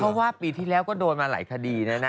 เพราะว่าปีที่แล้วก็โดนมาหลายคดีแล้วนะ